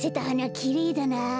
きれいだな。